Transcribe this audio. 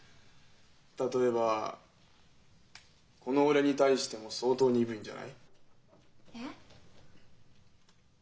例えばこの俺に対しても相当鈍いんじゃない？えっ？